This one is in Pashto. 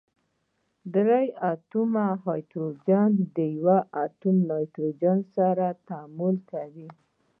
درې اتومه هایدروجن د یوه اتوم نایتروجن سره تعامل کوي.